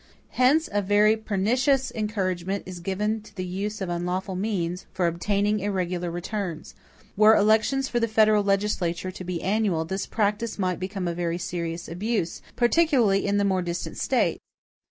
Hence, a very pernicious encouragement is given to the use of unlawful means, for obtaining irregular returns. Were elections for the federal legislature to be annual, this practice might become a very serious abuse, particularly in the more distant States.